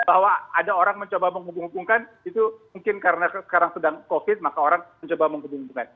bahwa ada orang mencoba menghubung hubungkan itu mungkin karena sekarang sedang covid maka orang mencoba menghubungkan